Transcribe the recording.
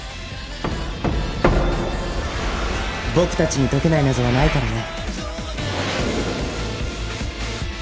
僕たちに解けない謎はないからね。